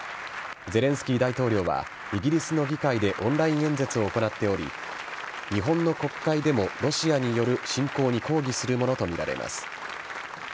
ゼレンスキー大統領はイギリスの議会でオンライン演説を行っており、日本の国会でもロシアによる侵攻に抗議するものと見られます。